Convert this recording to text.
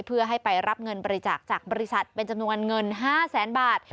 เพื่อให้ไปรับเงินบริจาคจากบริษัทเป็นจำนวนเงิน๕แสนบาท